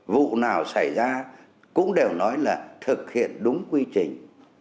vụ nào xảy ra cũng đều nói là thực hiện đúng quy trình